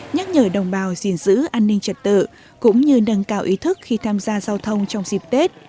nhắc nhở đồng bào gìn giữ an ninh trật tự cũng như nâng cao ý thức khi tham gia giao thông trong dịp tết